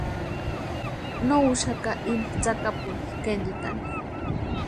No úxaka íni tsakapuni kéntitani.